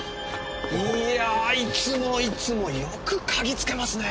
いやいつもいつもよく嗅ぎつけますね！